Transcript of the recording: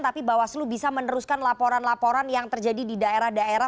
tapi bawaslu bisa meneruskan laporan laporan yang terjadi di daerah daerah